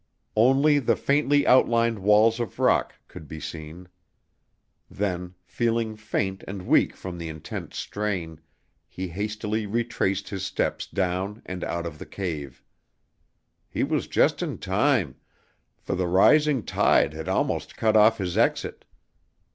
Only the faintly outlined walls of rock could be seen. Then, feeling faint and weak from the intense strain, he hastily retraced his steps down and out of the cave. He was just in time, for the rising tide had almost cut off his exit.